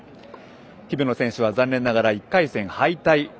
日比野選手は残念ながら１回戦敗退。